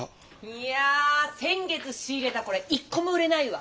いや先月仕入れたこれ一個も売れないわ。